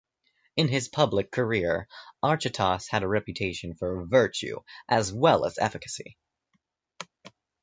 In his public career, Archytas had a reputation for virtue as well as efficacy.